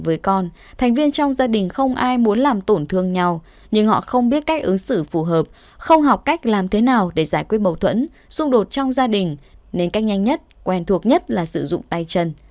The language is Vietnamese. với con thành viên trong gia đình không ai muốn làm tổn thương nhau nhưng họ không biết cách ứng xử phù hợp không học cách làm thế nào để giải quyết mâu thuẫn xung đột trong gia đình nên cách nhanh nhất quen thuộc nhất là sử dụng tay chân